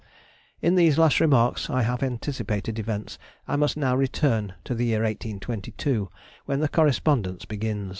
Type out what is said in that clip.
In these last remarks I have anticipated events, and must now return to the year 1822, when the correspondence begins.